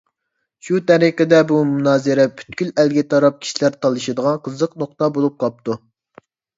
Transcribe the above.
شۇ تەرىقىدە بۇ مۇنازىرە پۈتكۈل ئەلگە تاراپ كىشىلەر تالىشىدىغان قىزىق نۇقتا بولۇپ قاپتۇ.